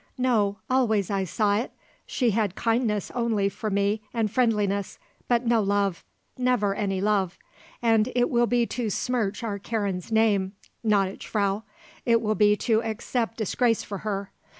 No; always I saw it; she had kindness only for me and friendliness; but no love; never any love. And it will be to smirch our Karen's name, gnädige Frau. It will be to accept disgrace for her.